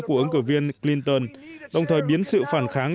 của ứng cử viên clinton đồng thời biến sự phản kháng